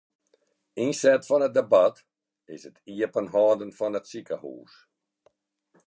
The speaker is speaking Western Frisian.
Ynset fan it debat is it iepenhâlden fan it sikehûs.